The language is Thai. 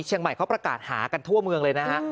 เชียงใหม่เขาประกาศหากันทั่วเมืองเลยนะฮะ